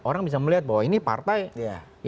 orang bisa melihat bahwa ini partai